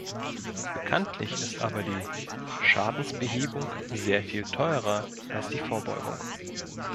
Bekanntlich ist aber die Schadensbehebung sehr viel teurer als die Vorbeugung.